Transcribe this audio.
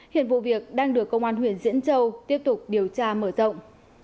hiện vụ việc đang được công an huyện diễn châu tiếp tục điều tra mở rộng